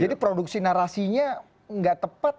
jadi produksi narasinya gak tepat